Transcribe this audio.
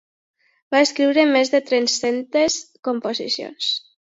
Va escriure més de tres-centes composicions.